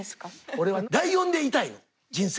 俺はライオンでいたいの人生。